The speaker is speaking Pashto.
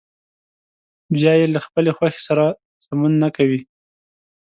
یا يې له خپلې خوښې سره سمون نه کوي.